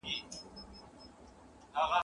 نه قوت یې د دښمن وو آزمېیلی !.